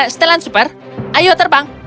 setelan super ayo terbang